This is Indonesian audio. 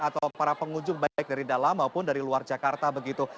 atau para pengunjung baik dari dalam maupun dari luar jakarta begitu